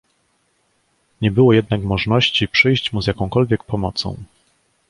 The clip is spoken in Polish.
Nie było jednak możności przyjść mu z jakąkolwiek pomocą.